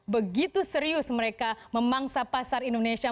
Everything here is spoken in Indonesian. begitu serius mereka memangsa pasar indonesia